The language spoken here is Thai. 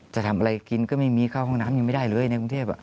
จะทำอะไรกินก็ไม่มีเข้าห้องน้ำยังไม่ได้เลยในกรุงเทพ